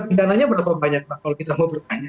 pidananya berapa banyak pak kalau kita mau bertanya